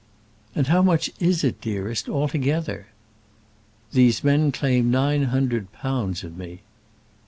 "And how much is it, dearest, altogether?" "These men claim nine hundred pounds of me."